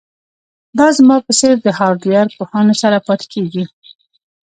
دا زما په څیر د هارډویر پوهانو سره پاتې کیږي